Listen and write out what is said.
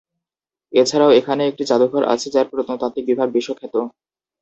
এছাড়াও এখানে একটি জাদুঘর আছে যার প্রত্নতাত্ত্বিক বিভাগ বিশ্বখ্যাত।